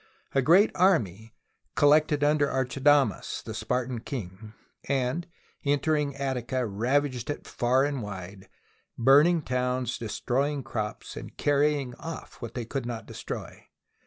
A great army collected under Archidamus, the Spartan king, and entering Attica, ravaged it far and wide, burning towns, THE BOOK OF FAMOUS SIEGES destroying crops, and carrying off what they could not destroy.